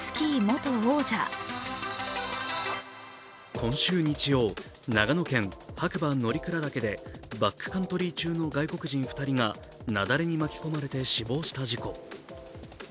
今週日曜、長野県・白馬乗鞍岳でバックカントリー中の外国人２人が雪崩に巻き込まれて死亡した事故。